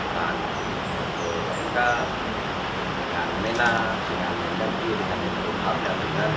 dan menanggung dengan menanggung dengan menurut al zaitun